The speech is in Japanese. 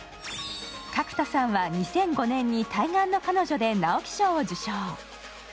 角田さんは２００５年に「対岸の彼女」で直木賞を受賞。